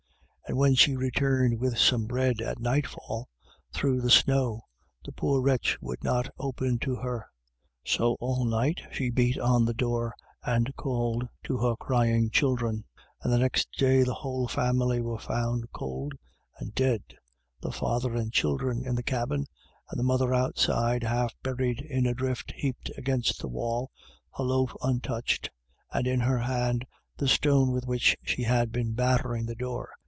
And when she returned with some bread at nightfall, through the snow, the poor wretch would not open to her. So all night she beat on the door, and called to her cry ing children ; and the next day the whole family were found cold and dead, the father and children in the cabin, and the mother outside, half buried in a drift heaped against the wall, her loaf untouched, and in her hand the stone with which she had been battering the door.